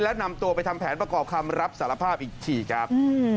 และนำตัวไปทำแผนประกอบคำรับสารภาพอีกทีครับ